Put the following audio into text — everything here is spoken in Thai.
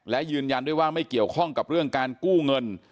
และยืนยันด้วยว่าไม่เกี่ยวข้องกับเรื่องการกู้เงิน